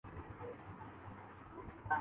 اس لئے یہان لٹکنا مجبوری ہے